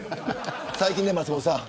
最近ね、松本さん